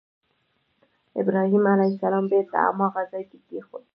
ابراهیم علیه السلام بېرته هماغه ځای کې کېښود.